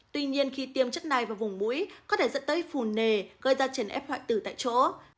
tuy nhiên khi tiêm chất này vào vùng mũi có thể dẫn tới phù nề gây ra triển ép hoại tử tại chỗ